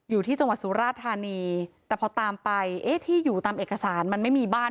อยู่ที่จังหวัดสุราธานีแต่พอตามไปเอ๊ะที่อยู่ตามเอกสารมันไม่มีบ้าน